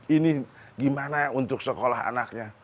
ini gimana untuk sekolah anaknya